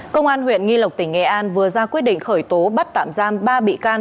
công an huyện nghi lộc tỉnh nghệ an vừa ra quyết định khởi tố bắt tạm giam ba bị can